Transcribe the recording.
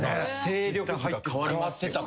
勢力図が変わりますよね。